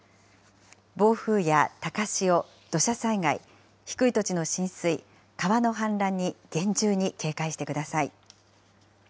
暴風や高潮、土砂災害、低い土地の浸水、川の氾濫に厳重に警戒してください。